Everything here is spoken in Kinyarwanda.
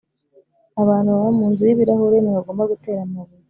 abantu baba munzu y'ibirahure ntibagomba gutera amabuye